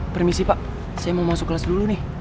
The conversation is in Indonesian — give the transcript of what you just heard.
permisi pak saya mau masuk kelas dulu nih